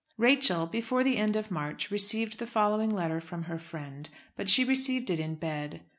Rachel, before the end of March, received the following letter from her friend, but she received it in bed.